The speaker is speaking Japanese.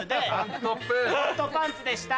ホットパンツでした。